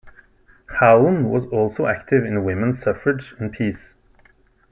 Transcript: Howland was also active in women's suffrage and peace.